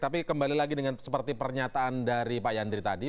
tapi kembali lagi dengan seperti pernyataan dari pak yandri tadi